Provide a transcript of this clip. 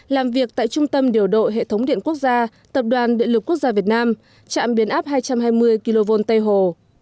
làm việc tại trung tâm điều độ hệ thống điện quốc gia tập đoàn điện lực quốc gia việt nam trạm biến áp hai trăm hai mươi kv tây hồ